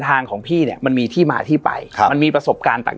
ทางของพี่เนี่ยมันมีที่มาที่ไปครับมันมีประสบการณ์ต่าง